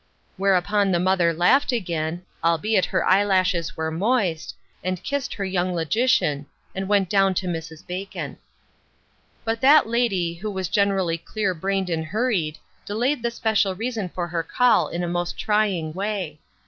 Whereupon the mother laughed again, albeit her eyelashes were moist, and kissed her young logi cian, and went down to Mrs. Bacon. But that lady, who was generally clear brained and hurried, delayed the special reason for her call in a most trying way.